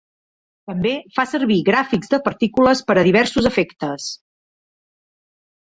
També fa servir gràfics de partícules per a diversos efectes.